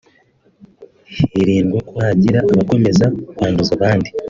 hirindwa ko hagira abakomeza kwanduza abandi